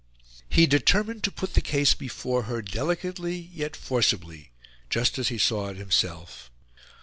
He determined to put the case before her, delicately yet forcibly just as he saw it himself.